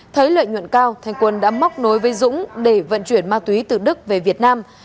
thấy lợi nhuận cao thanh quân đã móc nối với dũng để vận chuyển ma túy từ đức về việt nam